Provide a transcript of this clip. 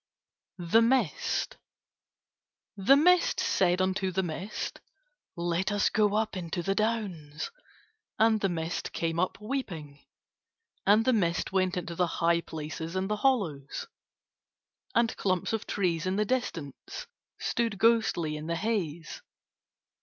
THE MIST The mist said unto the mist: "Let us go up into the Downs." And the mist came up weeping. And the mist went into the high places and the hollows. And clumps of trees in the distance stood ghostly in the haze.